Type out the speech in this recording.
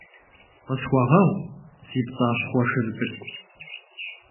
Къысхуэгъэгъу, си пцӀащхъуэ шыр цӀыкӀу.